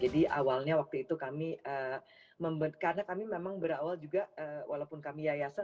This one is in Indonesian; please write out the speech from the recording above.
jadi awalnya waktu itu kami karena kami memang berawal juga walaupun kami yayasan